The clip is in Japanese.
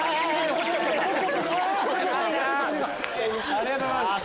ありがとうございます！